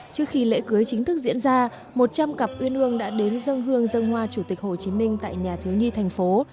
trước khi lễ cưới chính thức diễn ra một trăm linh cặp uyên ương đã đến dân hương dân hoa chủ tịch hồ chí minh tại nhà thiếu nhi thành phố